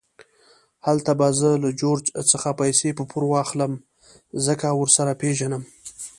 هلته به زه له جورج څخه پیسې په پور واخلم، ځکه ورسره پېژنم.